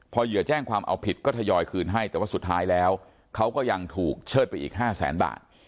แต่ว่าสุดท้ายแล้วเขาก็ยังถูกเชิดไปอีก๕แสนบาท